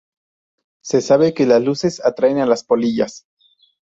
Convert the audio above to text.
Se sabe que las luces atraen a las polillas.